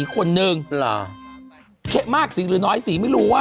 คนหนึ่งหรอเคมากสีหรือน้อยสีไม่รู้ว่ะ